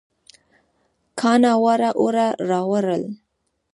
کاڼه واړه اوړه راوړل